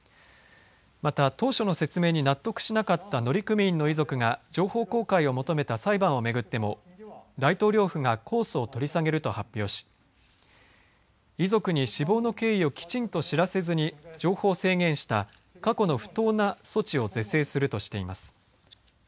また、当初の説明に納得しなかった乗組員の遺族が情報公開を求めた裁判を巡っても大統領府が控訴を取り下げると発表し遺族に死亡の経緯をきちんと知らせずに情報を制限した過去の不当な措置を是正するとしています。